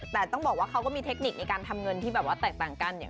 แต่ต้องบอกว่าเขาก็มีเทคนิคในการทำเงินที่แบบว่าแตกต่างกันเนี่ย